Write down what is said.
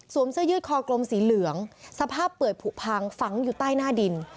สวมซวยืกคอกลมสีเหลืองสภาพเปิดผู่พังฝังอยู่ใต้หน้าดิน